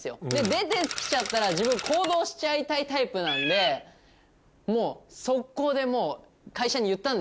出てきちゃったら自分行動しちゃいたいタイプなんでもう即行で会社に言ったんですよ